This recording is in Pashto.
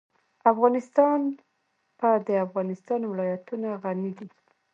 افغانستان په د افغانستان ولايتونه غني دی.